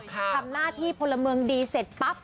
ทำหน้าที่พลเมืองดีเสร็จปั๊บ